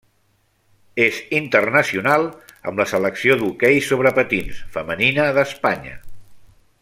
És internacional amb la Selecció d'hoquei sobre patins femenina d'Espanya.